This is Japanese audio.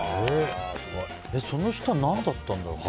その下、何だったんだろう。